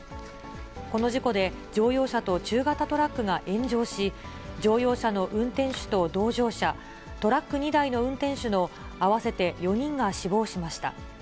この事故で、乗用車と中型トラックが炎上し、乗用車の運転手と同乗者、トラック２台の運転手の合わせて４人が死亡しました。